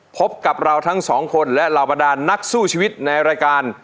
พบกับเราทั้งสองคนและเหล่าบรรดานนักสู้ชีวิตในรายการ